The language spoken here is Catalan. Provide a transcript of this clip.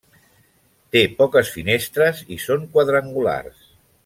Té poques finestres i són quadrangulars.